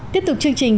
tiếp tục chương trình